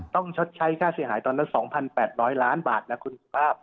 ต้องชดใช้ค่าเสียหายตอนนั้น๒๘๐๐ล้านบาทนะคุณภาพ